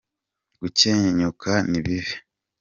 gukenyuka nibibi.